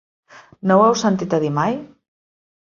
No ho heu sentit a dir mai?